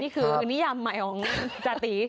นี่คือนิยามใหม่ของจาติ